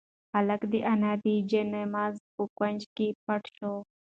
هلک د انا د جاینماز په کونج کې پټ شو.